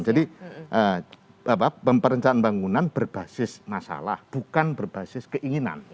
jadi pemperencanaan bangunan berbasis masalah bukan berbasis keinginan